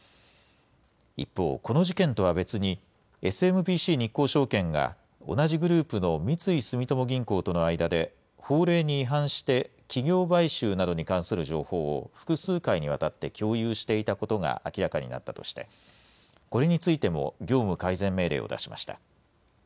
一方、この事件とは別に、ＳＭＢＣ日興証券が、同じグループの三井住友銀行との間で法令に違反して企業買収などに関する情報を複数回にわたって共有していたことが明らかになったとして、これについても業務改善命令を出しました。